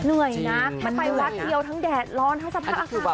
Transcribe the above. เหนื่อยนะแค่ไปวัดเดียวทั้งแดดร้อนทั้งสภาพอากาศ